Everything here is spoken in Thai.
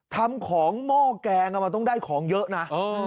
ทำของหม้อแกงมันต้องได้ของเยอะนะ